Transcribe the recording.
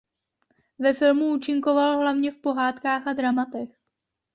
Ve filmu účinkoval hlavně v pohádkách a dramatech.